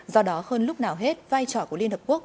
do đó hơn lúc nào hết vai trò của liên hợp quốc